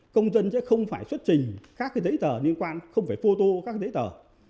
công dân sẽ không phải xuất trình các giấy tờ liên quan không phải phô tô các giấy tờ